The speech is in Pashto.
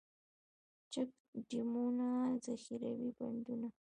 چک ډیمونه، ذخیروي بندونه.